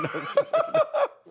ハハハハ！